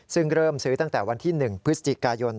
ซึ่งเริ่มซื้อตั้งแต่วันที่๑พฤศจิกายน